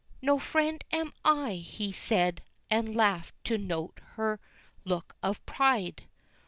"No friend am I," he said, and laughed to note her look of pride!